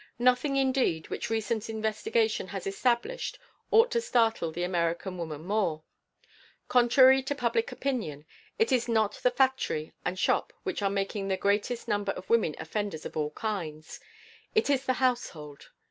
Nothing, indeed, which recent investigation has established ought to startle the American woman more. Contrary to public opinion, it is not the factory and shop which are making the greatest number of women offenders of all kinds; it is the household.